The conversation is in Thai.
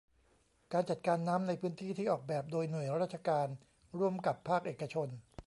การจัดการน้ำในพื้นที่ ที่ออกแบบโดยหน่วยราชการ ร่วมกับภาคเอกชน